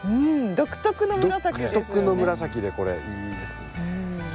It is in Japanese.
独特の紫でこれいいですね。